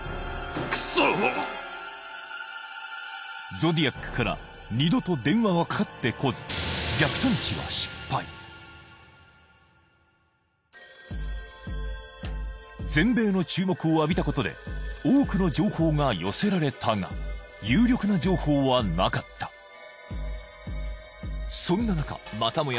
ゾディアックから二度と電話はかかってこず全米の注目を浴びたことで多くの情報が寄せられたが有力な情報はなかったそんな中またもや